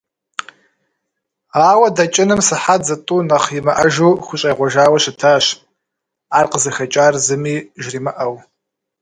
Ауэ дэкӀыным сыхьэт зытӀу нэхъ имыӀэжу хущӀегъуэжауэ щытащ, ар къызыхэкӀар зыми жримыӀэу.